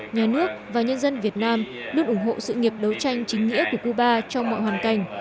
nhà nước và nhân dân việt nam luôn ủng hộ sự nghiệp đấu tranh chính nghĩa của cuba trong mọi hoàn cảnh